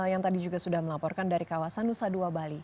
yang tadi juga sudah melaporkan dari kawasan nusa dua bali